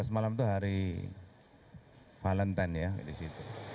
empat belas malam itu hari valentan ya di situ